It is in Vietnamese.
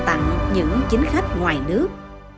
tặng những chính khách ngoài nước